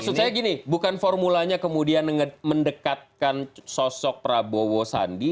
maksud saya gini bukan formulanya kemudian mendekatkan sosok prabowo sandi